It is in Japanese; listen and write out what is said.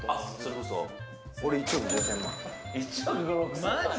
これ１億５０００万。